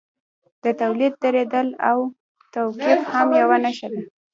د تولید درېدل او توقف هم یوه نښه ده